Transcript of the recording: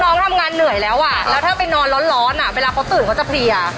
น้องทำงานเหนื่อยแล้วอ่ะแล้วถ้าไปนอนร้อนอ่ะเวลาเขาตื่นเขาจะเพลีย